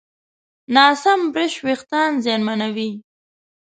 ناسم برش وېښتيان زیانمنوي.